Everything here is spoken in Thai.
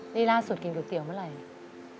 นี่ล่าสุดกินก๋วยเตี๋ยวเมื่อไหร่